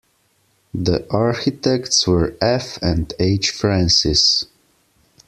The architects were F. and H. Francis.